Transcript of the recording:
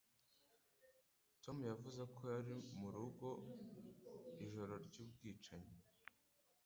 Tom yavuze ko yari mu rugo mu ijoro ry’ubwicanyi